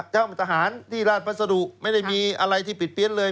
เจ้าทหารที่ราชพัสดุไม่ได้มีอะไรที่ปิดเี้ยนเลย